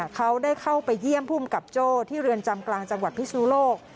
เขาได้เข้าไปเยี่ยมภูมิกับโจ้ที่เรือนจำกลางจังหวัดพิศนุโลก